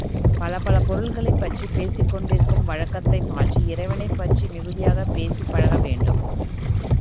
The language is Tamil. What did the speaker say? பல பல பொருள்களைப் பற்றி பேசிக் கொண்டிருக்கும் வழக்கத்தை மாற்றி இறைவனைப் பற்றி மிகுதியாகப் பேசிப் பழக வேண்டும்.